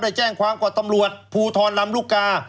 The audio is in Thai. ได้แจ้งความกว่าตำรวจภูทรรรมรุกา